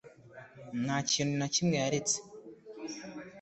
nta kintu na kimwe yaretse